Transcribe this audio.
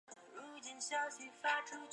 光叶白头树为橄榄科嘉榄属的植物。